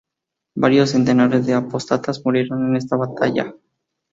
Varios centenares de apóstatas murieron en esta batalla.